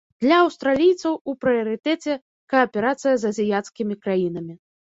Для аўстралійцаў у прыярытэце кааперацыя з азіяцкімі краінамі.